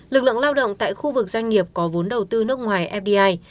lực lượng lao động tại khu vực doanh nghiệp có vốn đầu tư nước ngoài fdi